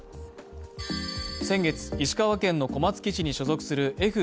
先月、石川県の小松基地に所属するＦ１５